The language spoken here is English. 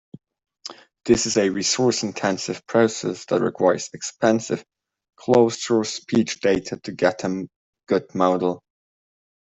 This is a resource-intensive process that requires expensive closed-source speech data to get a good model.